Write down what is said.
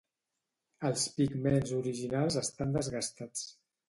Els pigments originals estan desgastats.